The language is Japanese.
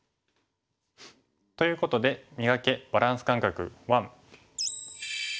ということで「磨け！バランス感覚１」。